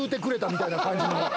みたいな感じ。